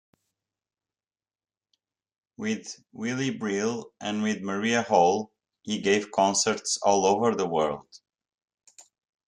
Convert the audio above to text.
With Willy Brill and with Maria Hol, he gave concerts all over the world.